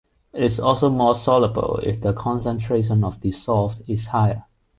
It is also more soluble if the concentration of dissolved is higher.